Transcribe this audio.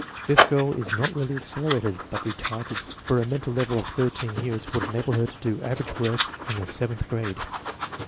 This girl is not really accelerated, but retarded, for her mental level of 13 years would enable her to do average work hi the seventh grade.